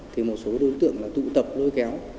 thì một số đối tượng tụ tập lôi kéo